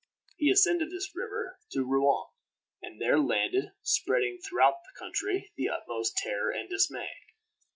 He ascended this river to Rouen, and there landed, spreading throughout the country the utmost terror and dismay.